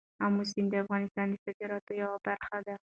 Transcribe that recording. آمو سیند د افغانستان د صادراتو یوه برخه ده.